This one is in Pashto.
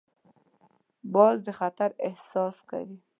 باز د خطر احساس کوي